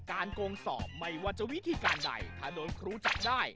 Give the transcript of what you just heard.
โกงสอบไม่ว่าจะวิธีการใดถ้าโดนครูจับได้